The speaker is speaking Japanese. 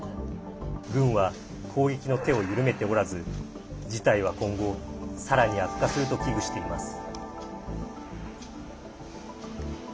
軍は、攻撃の手を緩めておらず事態は今後さらに悪化すると危惧しています。